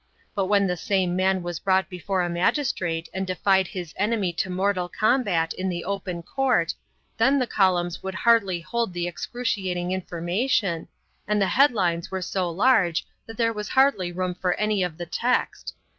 But when the same man was brought before a magistrate and defied his enemy to mortal combat in the open court, then the columns would hardly hold the excruciating information, and the headlines were so large that there was hardly room for any of the text.